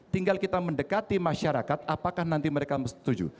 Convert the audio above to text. tinggal kita mendekati masyarakat apakah nanti mereka setuju